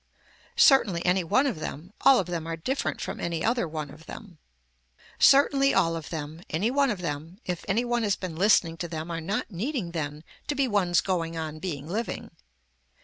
Certainly any one of them, all of them are different from any other one of them. Certainly all of them, any one of them, if any one has been listening to them are not needing then to be ones going on being living.